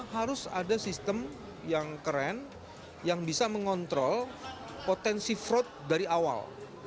harus ada sistem yang keren yang bisa mengontrol potensi fraud dari awal